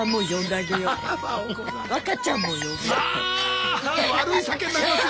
悪い酒になりますよ。